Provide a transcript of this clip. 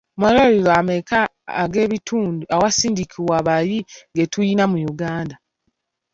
Malwaliro ameka ag'ebitundu awasindikibwa abayi getuyina mu Uganda?